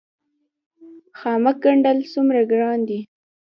خامک ګنډل څومره ګران دي؟